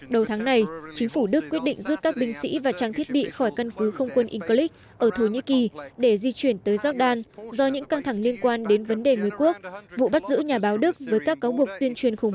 đầu tháng này chính phủ đức quyết định rút các binh sĩ và trang thiết bị khỏi căn cứ không quân incleak ở thổ nhĩ kỳ để di chuyển tới jordan do những căng thẳng liên quan đến vấn đề người quốc vụ bắt giữ nhà báo đức với các cáo buộc tuyên truyền